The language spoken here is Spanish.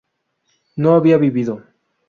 no había vivido